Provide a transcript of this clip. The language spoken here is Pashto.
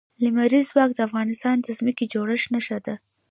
لمریز ځواک د افغانستان د ځمکې د جوړښت نښه ده.